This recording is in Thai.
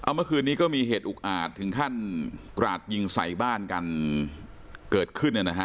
เมื่อคืนนี้ก็มีเหตุอุกอาจถึงขั้นกราดยิงใส่บ้านกันเกิดขึ้น